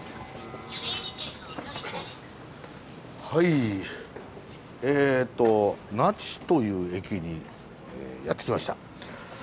はいえっと那智という駅にやって来ました。